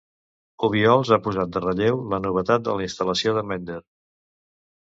Obiols ha posat de relleu la novetat de la instal·lació de Mender.